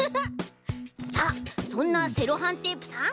さあそんなセロハンテープさん。